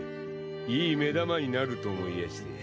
いい目玉になると思いやして。